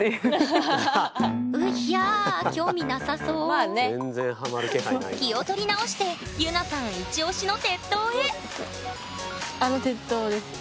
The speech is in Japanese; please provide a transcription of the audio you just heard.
うひゃあ興味なさそ気を取り直してゆなさんイチオシの鉄塔へあの鉄塔です。